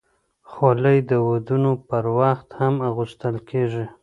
خولۍ د ودونو پر وخت هم اغوستل کېږي.